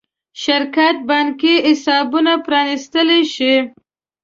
شرکت بانکي حسابونه پرانېستلی شي.